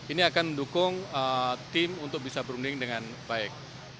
ini akan mendukung tim untuk bisa berunding dengan baik